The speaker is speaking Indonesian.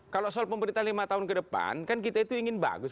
kalau soal pemerintahan lima tahun ke depan kan kita itu ingin bagus